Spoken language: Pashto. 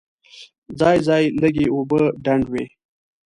ځای ځای لږې اوبه ډنډ وې.